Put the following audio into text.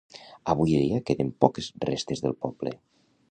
Avui dia queden poques restes del poble.